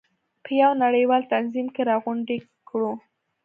په یو نړیوال تنظیم کې راغونډې کړو.